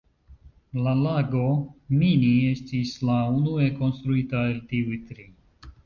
La lago Mini estis la unue konstruita el tiuj tri.